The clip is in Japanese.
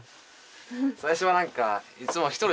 最初はなんかいつも１人で。